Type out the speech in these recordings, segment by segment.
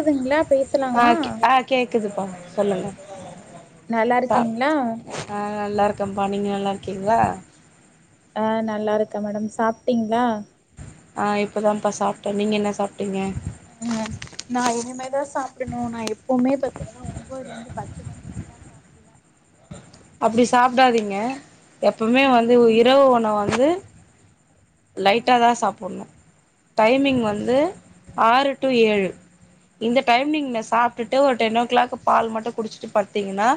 கேக்குதுங்களா ஆஹ் ஆஹ் கேக்குதுப்பா சொல்லுங்க ஆஹ் நல்லா இருக்கீங்களா கோ பா நீங்க நல்லா இருக்கீங்களா ஆஹ் நல்லா இருக்கே மேடம் சாப்ட்டீங்களா ஆஹ் இப்பதான்ப்பா சாப்ட்டே நீங்க என்ன சாப்ட்டீங்க ஆஹ் நா இனிமேதா சாப்டணு நா எப்பவுமே பாத்தீங்கன்னா ஒன்பதுலருந்து பத்து மணிக்குள்ளதா சாப்டுவே அப்டி சாப்டாதீங்க எப்பமே வந்து ம் இரவு உணவு வந்து ம் லைட்டாதா சாப்புணு டைமிங் வந்து ம் ம் ஆறு டூ ஏழு இந்த டைம் நீங்க சாப்ட்டுட்டு ஒரு டென் ஓ க்ளாக் பால் மட்டூ குடிச்சுட்டு படுத்தீங்கன்னா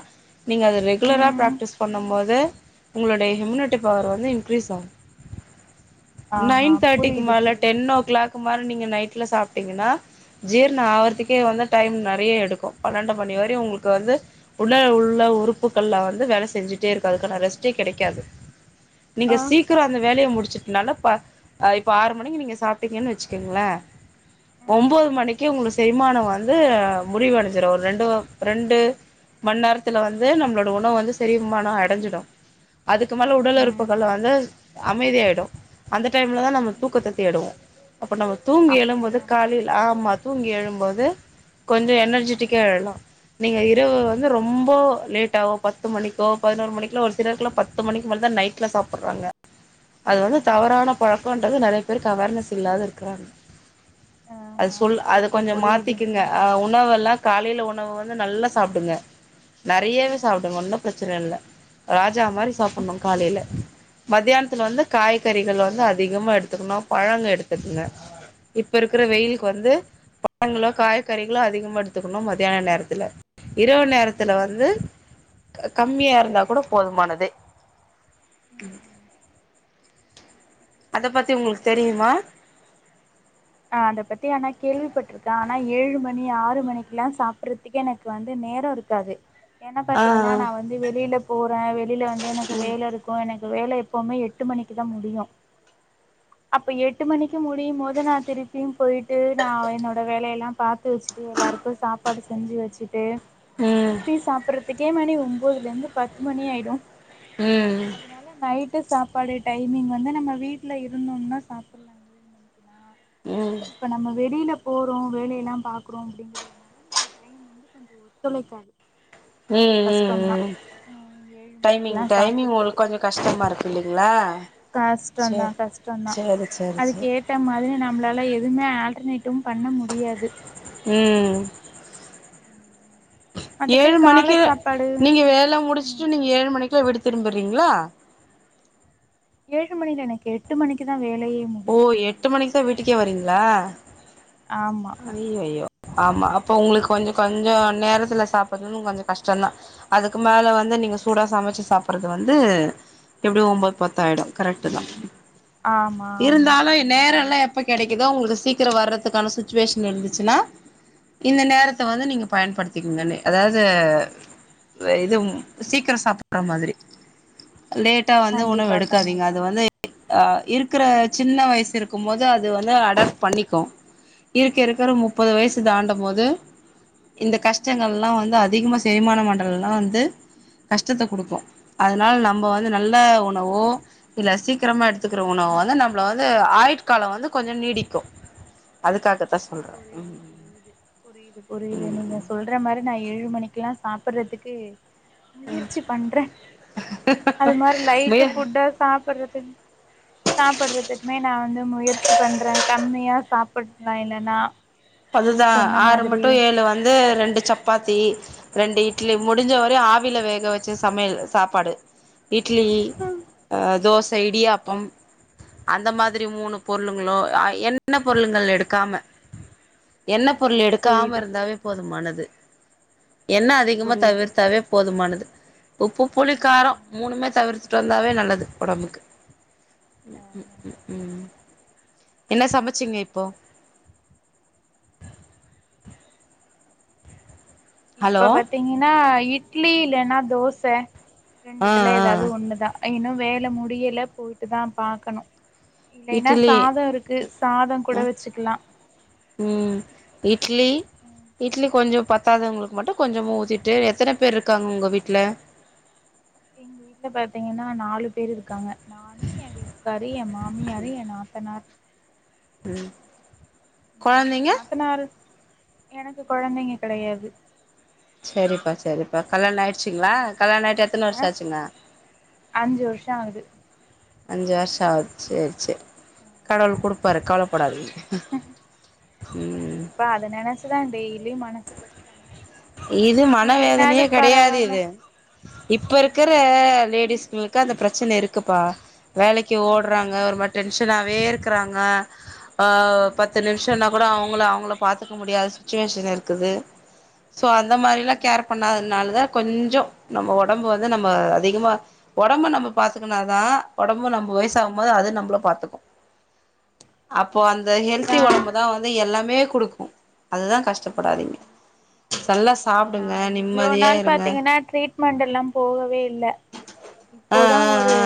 நீங்க அத ரெகுலரா ம் ம் ப்ராக்டிஸ் பண்ணு போது உங்களுடைய ஹிம்யூனிட்டி பவர் வந்து இன்க்ரீஸ் ஆகூ ஆஹா நைன் தேர்ட்டிக்கு புரியுது மேல புரியுது டென் ஓ க்ளாக் க்கு மேல நீங்க நைட்ல சாப்ட்டீங்கன்னா ஜீரணோ ம் ஆகுறத்துக்கே வந்து டைம் நெறைய எடுக்கூ பன்னெண்டு மணி வரையு உங்களுக்கு வந்து உடல் உள்ள உறுப்புகள்லா வந்து வேலை செஞ்சுட்டே இருக்கூ அதுக்கான ரெஸ்ட்டே கெடைக்காது நீங்க ஆ சீக்கிரோ‌ அந்த வேலய முடிச்சு னால்ல ப இப்ப ஆறு மணிக்கு நீங்க சாப்ட்டீங்கன்னு வச்சுக்குங்களே ம் ஒம்போது மணிக்கு உங்களுக்கு செரிமானோ வந்து முடிவடஞ்ச்சுரு ஒரு ரெண்டு ரெண்டு மண் நேரத்துல வந்து நம்மளோட உணவு வந்து செரிமானோ அடஞ்சிடூ அதுக்கு மேல ம்ஹும் உடல்உறுப்புகள் வந்து அமைதியாயிடூ அந்த டைம்ல தா நம்ம ம்ஹும் தூக்கத்த தேடுவோ அப்ப நம்ம தூங்கி எழும்போது அப்படியா காலைல ஆமா தூங்கி எழும்போது கொஞ்சோ எனர்ஜிட்டிக்கா ம் எழலா நீங்க இரவு வந்து ம்ஹும் ரொம்போ லேட்டா பத்து மணிக்கோ பதினோரு மணிக்குலா ஒரு சிலர்க்கெல்லா பத்து மணிக்கு மேல தா நைட்ல சாப்டுறாங்க அது வந்து ம் தவறான பழக்கோன்றது நெறைய பேருக்கு அவேர்னஸ் இல்லாது இருக்கிறாங்க அது ஆஹா சொல் அத புரியுது கொஞ்சோ புரியுது மாத்திக்குங்க ஆ உ உணவுகள்லா காலைல உணவு வந்து நல்லா சாப்டுங்க நெறையவே ம் சாப்டுங்க ஒன்னு ப்ரச்சன இல்ல ராஜா மாரி ம் சாப்டணு காலைல மதியானத்துல ம் வந்து காய் கறிகள் வந்து அதிகமா எடுத்துக்கணு பழங்கள் எடுத்துக்குங்க இப்ப இருக்கிற வெயிலுக்கு ம்ஹும் வந்து பழங்களு காய்கறிகளு அதிகமா எடுத்துக்கணு மதியான நேரத்துல இரவு நேரத்துல வந்து கம்மியா இருந்தா கூட போதுமானது உம் உம் அத பத்தி உங்களுக்கு தெரியுமா ஆஹ் அத பத்தி ஆனா கேள்விப்பட்டிருக்கேன் ஆனா ஏழு மணி ஆறு மணிக்கு எல்லாம் சாப்பிறதுக்கே எனக்கு வந்து நேரம் இருக்காது என்ன ஆ பாரத்தீங்கன்னா நான் வந்து வெளியில போறேன் வெளியில வந்து எனக்கு வேலை இருக்கும் எனக்கு வேலை எப்பவுமே எட்டு மணிக்கு தான் முடியும் அப்ப எட்டு மணிக்கு முடியும் போோது நான் திருப்பியும் போயிட்டு நான் என்னோடய வேலையெல்லாம் பார்த்து வச்சுட்டு எல்லாருக்கும் சாப்பாடு செஞ்சு வச்சுட்டு ம் திருப்பி சாப்பிடுறது அத்துக்கே மணி ஒன்பதுல இருருந்து பத்து மணி ஆயிடும் ம் அதனால நைட் ட்டு சாப்பாடு டைமிங் வந்து நம்ம வீட்டுல இருந்தோம்னா சாப்பிடலாம் ஏழு மணிக்குலாம் ம் இப்ப நம்ம வெளியில போகிறோம் வேலையெல்லாம் பார்க்குறோம் அப்படிங்கிறதுனால எனக்கு டைம் வந்து கொஞ்சம் ஒத்துழைக்காது ம் கொஞ்சோ கஷ்டோந்தா உம் ம் ம் ஏழு டைமிங் மணிக்குலா டைமிங் சாப்புட்றது உங்களுக்கு கொஞ்சம் கஷ்டமா இருக்கு இல்லலைங்களா கஷ்டோந்தா சரி கஷ்டோந்தா சரி சரி சரி என்னால எதுவுமே ஆல்டர்னேட்டும் பண்ண முடியாது ம் ம் மத்தபடி ஏழு கால மணிக்கு சாப்பாடு நீங்க வேல ம் முடிச்சுட்டு நீங்க ஏழு மணிக் குலா வீடு திரும்பிறீங்களா ஏழு மணில எனக்கு எட்டு மணிக்கு தா வே ஓ எட்டு மணிக்கு தா வீட்டுக்கே வரிங் லா ஆமா அயோயோ ஆமா அப்ப உங்களுக்கு கொஞ்ச ம் கொஞ்சோ நேரத்துல சாப்பரதுன் கொஞ்ச கஷ்டம்தா அதுக்கு மேல வந்து நீ சூடா கஷ்டம் சமச்சு சாப் புறது வந்து எப்படி ஒம்பது பத்தாயிடும் கரெக்ட் தா ஆமா ஆமா இருந்தாலு நேர எல்லா எ ப்ப கெடைக்குதா அவுங்களுக்கு சீக்கிரோ வர்றதுக்கான சுச் சுவேஷன் இருந்துச்சுன்னா இந்த நேரத்த வந்து நீங்க பயன்படுத்திக்கங்க அதாவது இது சீக்கிரோ சாப்படுற மாதிரி லேட்டா வந்து உணவு கண்டிப்பா எடுக்காதீங்க கண்டிப்பா அது வந்து அ இருக்கற சின்ன வயசு இருக்கும் போது அது வந்து அடாப்ட் பண்ணிக்கு இருக்க இருக்கிற முப்பது ம்ஹும் வயசு தாண்டம் போது இந்த கஷ்டங்கள்லா வந்து அதிகமா செரிமான மண்டலல்லா வந்து கஷ்டத்த கொடுக்கு அதனால நம்ம வந்து நல்ல உணவோ இல்ல சீக்கிரமா எடுத்துக்கிற உணவோ வந்து நம்மள வந்து ஆயுட்காலம் வந்து கொஞ்சம் நீடிக்கு அதுக்காக புரியுது புரியுது புரியுது புரியுது நீங்க சொல்ற மாரி நா ஏழு மணிக் குலா சாப்பிடுறதுக்கு முயற்சி பண்றே அது மாரி லைட் முய ஃபுட்டா சாப்பிடுறது சாப்பிடுறதுக்குமே நா வந்து முயற்சி பண்றே கம்மியா சாப்பிடலா இல்லேனா அதுதா ஆறு மட்டு ஏழு வந்து ரெண்டு சப்பாத்தி ரெண்டு இட்லி முடிஞ்ச ம் வரையு ஆவில வேக வச்ச சமையல் சாப்பாடு இட்லி ம் அ தோச இடியாப்பம் அந்த மாதிரி மூணு பொருளுங்களோ எண்ண பொருளுங்கள் எடுக்காம எண்ண பொருள் ம்ஹும் எடுக்காம புரியுது இருந்தாவே புரியுது போதுமானது எண்ண புரியுது அதிகமா புரியுது தவிர்த்தாவே புரியுது போதுமானது உப்பு புளிக்காரம் ம்ஹும் மூணுமே தவிர்த்துட்டு வந்தாவே ந ல்லது ஒடம்புக்கு ம் ம் ஆஹ ம் ம் என்ன சமச்சிங்க இப்போ ஹலோ இப்ப பாத்தீங்கன்னா இ ட்லி இல்லைனா தோச ஆ ரெண்டுத்துல ஆ ஏதாவது ஒண்ணுதா இன்னு வே முடியல போயிட்டு தான் பாக்கணும் இட்லி கூட வச்சுக்கலா உம் இட்லி ம் இட்லி கொஞ்சம் பத்தாதவங்களுக்கு மட்டும் கொஞ்சமா ஊத்திட்டு எத்தனை பேர் இருக்காங்க உங்க வீட்டுல எங்க வீட்டுல பார்த்தீங்கன்னா நாலு பேர் இருக்காங்க நானு என் வீட்டு க்காரு என் மாமியாரு என் நாத்தனார் உம் நாத்தனார் எனக்கு குழந்தைங்க கிடையாது சரிப்பா சரிப்பா கல்யாணம் ஆயிருச்சா ச்சுங்களா கல்யாணம் ஆயிட்டு எத்தனை அ வருஷம் ஆச்சுங்க அஞ்சு வருஷோ ஆகுது அஞ்சு வருஷம் ஆச்சு சரி ஆமா கடவுள் குடுப்ப ப்பாரு கவலைப்படாதீங்க கண்டிப்பா அது நினச்சு தான் போய [unintelligible] இது மன வேதனையே மின்னாடினாது கிடையாது பரவால்ல இது இப்ப இருக்கற ம் லேடிஸ் உங்களுக்கு அந்த பிரச்சனை இருக்குப்பா வேலைக்கு ஓடுறாங்க ம் ஒரு மாதிரி டென்ஷனாவே இரு இருக்கறாங்க ஆ பத்து ம் நிமிஷம்னா கூட அவங்கள அவங்கள பாார்த்துக்க முடியாதது சுச்சுவேஷன் இரு க்குது ஸோ அந்த மாதிரிலாம் ஆமா கேர் பண்ணாததுனால தான் கொஞ்சம் நம்ம உடம்பு வந்து நம்ம அதிகமா உடம்பு நம்ம பா்த்துக்கனாதான் உடம்பு நம்ம வயச ஆகும் போது அது ம் நம்மள பாத்துக்கும் அப் இப்ப அந்த ஹெல்தி அதா உடம்பு தான் வந்து எல்லா லாமே கொடுக்கும் அதுதான் கஷ்டப [unintelligible] நான் இவ்வளவு நாள் பாத்தீங்கன்னா ட்ரீட்மெண்ட் எல்லாம் போகவே இல்லை ஆ இப்போதான் ஆ ஒரு ஆ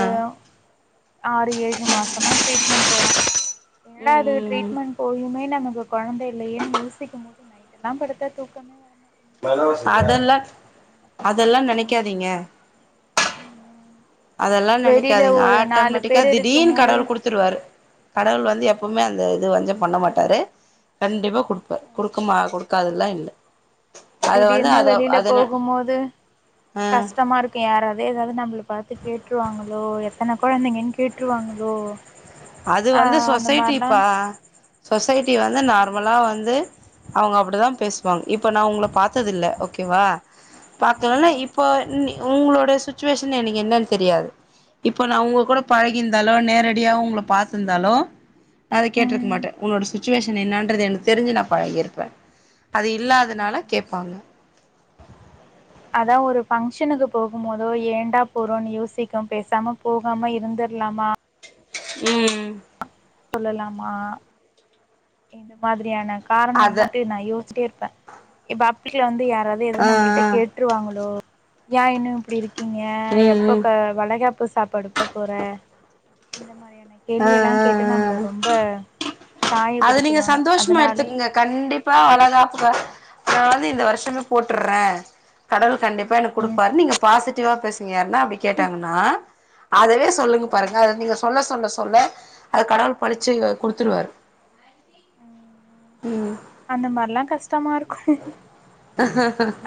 ஆறு ஏழு மாசமா ட்ரீட்மென்ட் போறேன் ம் இரண்டாவது ம் ம் ட்ரீட்மெண்ட் போயமே நமக்கு குழந்தை இல்லையன்னு யோசிக்கும் போது நைட் எல்லாம் படுத்த தூக்கமே வரடியது அதெல்லாம் அதெல்லாம் நினைக்காதீங்க ம் அதெல்லா நெனைக்காதீங்க ஆட்டோமேட்டிக்கா பேர் இருக்கும் திடீர்னு போது கடவுள் குடுத்துருவாரு கடவுள் வந்து எப்பவுமே அந்த இது வந்து பண்ண மாட்டாரு கண்டிப்பா குடுப்ப குடுக்கமா குடு காதுல்லா இல்ல அத வந்து திடீர்னு அத வெளியில அதன போகும்போது ஆ கஷ்டமா இருக்கு யாராவது ஏதாவது நம்மள பாத்து கேட் ட்ருவாங்களோ எத்தனை கொழந்தைங்கன்னு கேட்ருவாங்களோ அது வந்து சொசைட்டிப்பா சொசைட்டி வந்து ம் நார்மலா வந்து அவங்க அப்டிதா பேசுவாங்க இப்ப நா உங்க பாத்தது இல்ல ஓகேவா பாக்கலால்ல ம் இப்போ நி உங்களோட சுச்சுவேஷன் எனக்கு என்னன் தெரியாது இப்ப நா உங்க கூட பழகிந்தாலு நேரடியா உங்க பாத்துருந்தாலோ அத கேட்ருக்க ம் மாட்டே உன்னோட சுச்சுவேஸ் என்ன என்னன்றது என தெரிஞ்சு நா பழகிருப்பே அது ம் இல்லாதனால ம் கேப்பாங்க அதா ஒரு பஃங்க்ஷனுக்கு போகும் போதோ ஏண்டா போறோம்ன்னனு யோசிக்கு பேசாம போகாம இருந்திரலாமா ம் சொல்லலாமா இந்த மாதிரியானா காரண அத இரு நா யோசச்சிட்டே இருப்பே இப்ப வீட்ல வந் யாராவது எது ஆ நம்மள்ட்ட ஆ கேட்டுருவாங்களோ யா இன்னு இப்டிருக் இருக்கீங்க ம் எப்ப ம் க வளகாப் ப்பு சாப்பாடு போ போற இந்த மாரியா ஆ கேள்வி எல்லா கேட்டு நம்மள ஆ ஆ ரொம்ப காய அது நீங்க சந்தோஷமா எடுத்துக்குங்க கண்டிப்பா வளகாப்பு ந வந்து இந்த வருஷமே போட்டுறே [inaudible] கடல் கண்டிப்பா எனக் ம் குடுப்பாரு நீங்க பாசி ட்டிவா பேசுங்க என்னா அப்படி கேட்டாங்கன்னா அதவே அ சொல்லுங்க பாருங்க அத நீங்க சொல்ல சொன்ன சொ சொல்ல அத கடவுள் படிச்சு குடுத்துருவாரு ம் ம் அந்த மாரிலா கஸ் ட்டமா இருக்கு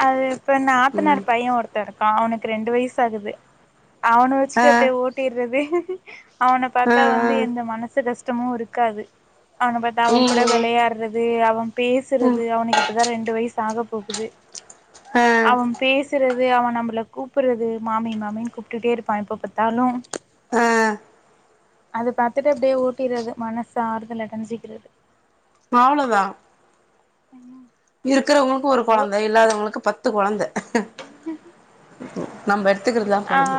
அது இப்ப நாத்தனார் ம் பையன் ஒருத்த இருக்கான் அவனுக் ரெண்டு வய்சாகுது அவன ஆ வச்சுட்டு அப்டே ஓட்டிறது அவன ஆ பாத்தா வந்து ஆ எந்த மனசு கஸ் ட்டமு இருக்காது அனுபத்தவங் கூட ம் வெளையாடுற து அவ பேசுறது ம் அவனுக்கு இப்ப தா ரெண்டு வயசு ஆக போகுது ஆ அவன் பேசுறத் து அவன் நம்மள கூப்புட்றது மாமி மாமின்னு கூப்ட்டுட்டே இருப்பா எப்ப பாத்தாலு ஆஹ் அது பாத்துட்டு அப்டியே ஊட்டிறது மனசு ஆறுதல் அடஞ்சிகிறது அவ்ளோதா ம் இருக்குறவங்களுக்கு ஒரு கொழந்த இல்லாதவங்களுக்கு பத் த்து கொழந்த ஹ்ம் நம்ப த்துக்குறதா பாருங்க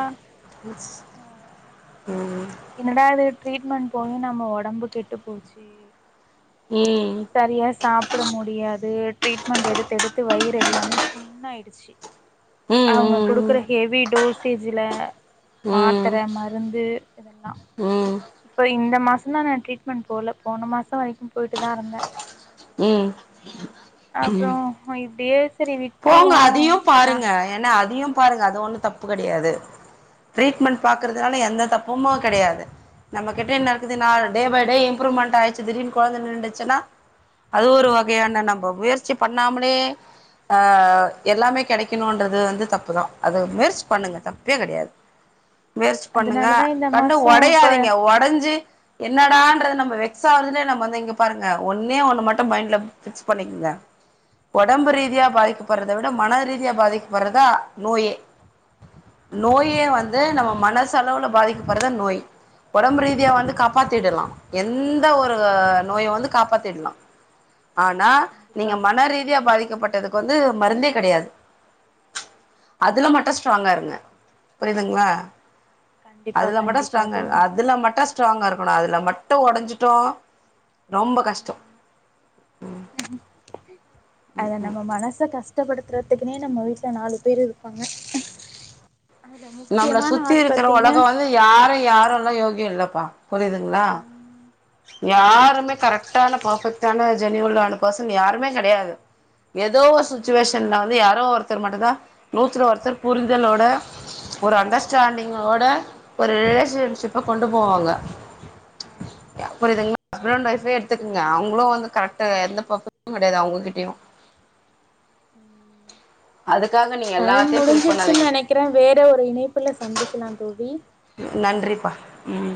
ம் ம் என்னடா இது ட்ரீட்மண்ட் போயு நம்ம ஒடம்பு கெட்டு போச்சு ம் சரியா சாப்பிட முடியாது ட்ரீட்மெண்ட் எடுத்தெடுத்து வயிறெல்லாமே புண்ணாயிடுச்சு ம் அவுங்க குடுக்குற ம் ஹெவி டோஸ் டேஜுல ம் ம் மாத்தர மருந்து இதெல்லா ம் இப்ப இந்த மாஸ் சந்தா நா ட்ரீட்மெண்ட் போல போன மாச வரைக்கு போய்ட்டு தா இருந்த ம் அப்றோ [unintelligible] டி எஸ் போங்க அதையு பாருங்க ஏன்னா அதையு பாருங்க அது ஒண்ணு தப்பு கெடையாது ட்ரீட்மெண்ட் பாக்குறதுனால எந்த தப் பொம்மா கெடையாது நம்மகிட்ட என்ன இருக்குது நா டே பை டே இம்ப்ரூவ்மெண்ட் ஆயிடுச்சு திடீனு கொழந்தை நின்டுச்சுன்னா அது ஒரு வகையான நம்ம முயற்சி பண் நாமலே ஆ எல்லாமே கெடைக்கணும்ன்றது வந்து தப்புதா அது மெர்ஸ் பண்ணுங்க தப்பே கெடையாது முயற்சி பண்ணுங்க அதனாலதா இந்த கண்டு மாசோ இப்ப ஒடையாதீங்க ஒடஞ்சு என்னடான்றது நம்ம வெக்ஸ்ஸாகுறத நம்ம வந்து இங்க பாருங்க ஒன்னே ஒன்னு மட்டு மைண்ட்ல பிக்ஸ் பண்ணிக்கிங்க ஒடம்பு ம் ரீதியா பாதிக்கப்பறத விட மன ரீதியா பாதிக்கப்பறதா நோயே ம் நோயே வந்து நம்ம மனசளவுல பாதிக்கப்பறதா நோய் ஒடம்பு ரீதியா வந்து காப்பாத்திடலா எந்த ஒரு ம் நோய வந்து காப்பாத்திடலா ஆனா கண்டிப்பா நீங்க மன கண்டிப்பா ரீதியா பாதிக்கப்பட்டது வந்து மருந்தே கெடையாது அதுல மட்டு ஸ்ட்ராங்கா இருங்க புரியுதுங்களா கண்டிப்பா அதுல மட்டு கண்டிப்பா ஸ்ட்ராங்கா தோழி அதுல மட்டு ஸ்ட்ராங்கா இருக்கணு அதுல மட்டு ஒடஞ்சிட்டோ ரொம்ப கஷ்ட அது நம்ம மனச கஷ் கஷ்டப்படுத்துறதுக்குனே நம்ம வீட்ல நாலு பேர் இருப்பாங்க அதுல நம்மள முக்கியமான சுத்தி ஆள் இருக்கிற பாத்தீங்கன்னா ஒலக வந்து யாரு யாருல்லா யோகிய இல்ல வா புரியுதுங்களா யாருமே கரெக்ட்டான பெர்பெக்டான ஜெனியூனான பர்சன் யாருமே கெடையாது எதோ ஒரு சிச்சுவேசன்ல வந்து யாரோ ஒருத்தர் மட்டுந்தா நூத்துல ஒருத்தர் புரிதளோட ஒரு அண்டர்ஸ்டாட்டிங் ஓட ஒரு ரிலேசன்ஷிப் கொண்டு போவாங்க புரியுதுங்களா ஹஸ்பண்ட் அண்ட் ஒய்பே எடுத்துக்கங்க அவங்களு வந்து கரெக்ட்டா எந்த பப்பு கெடையாது அவங்ககிட்டயு அதுக்காக நீங்க டைம் எல்லாத்தையும் ஃபீல் முடிஞ்சிருச்சுன் பண்ணாதீங்க நெனைக்கிறே வேற ஒரு இணைப்புல சந்திக்கலா தோழி நன்றிப்பா ம்